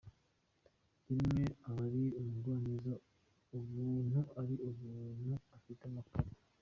Rimwe aba ari umugwaneza, ubuntu ari umuntu ufite amakare.